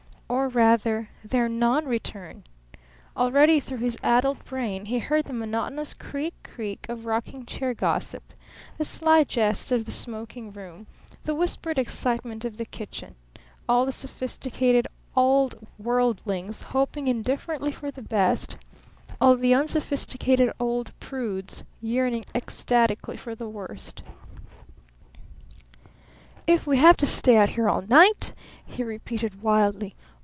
Or rather their non return? Already through his addled brain he heard the monotonous creak creak of rocking chair gossip, the sly jest of the smoking room, the whispered excitement of the kitchen all the sophisticated old worldlings hoping indifferently for the best, all the unsophisticated old prudes yearning ecstatically for the worst! "If we have to stay out here all night?" he repeated wildly.